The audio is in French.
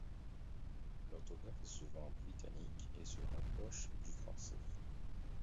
L'orthographe est souvent britannique et se rapproche du français.